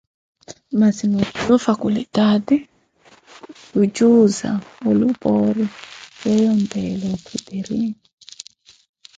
Masi noofiya Ofakultaati ya kicuuza olipoori, weyo Onteela onkhitiri.